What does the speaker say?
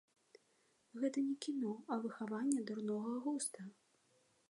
Гэта не кіно, а выхаванне дурнога густа.